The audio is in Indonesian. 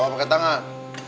apa pakai tangan